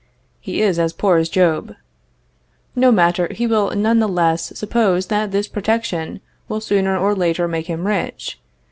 He is as poor as Job no matter, he will none the less suppose that this protection will sooner or later make him rich.